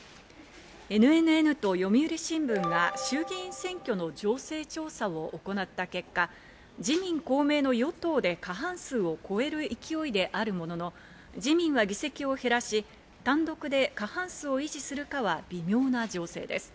ＮＮＮと読売新聞が衆議院選挙の情勢調査を行った結果、自民・公明の与党で過半数を超える勢いであるものの、自民は議席を減らし、単独で過半数を維持するかは微妙な情勢です。